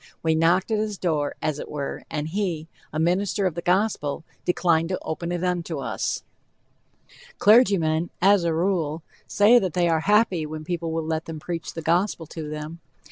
We knocked at his door, as it were, and he, a minister of the Gospel, declined to open it unto us. Clergymen, as a rule, say that they are happy when people will let them preach the gospel to them.